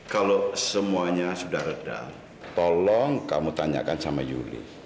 kalau semuanya sudah reda tolong kamu tanyakan sama yuli